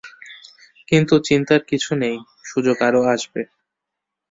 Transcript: কিন্তু চিন্তার কিছু নেই, সুযোগ আরও আসবে।